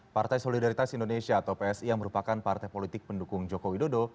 partai solidaritas indonesia atau psi yang merupakan partai politik pendukung jokowi dodo